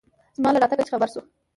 زما له راتگه چې خبر سو.